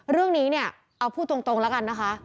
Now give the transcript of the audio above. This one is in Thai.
เรื่องนี้เนี่ยเอาพูดตรงแล้วกันนะคะ